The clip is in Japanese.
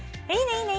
いいね！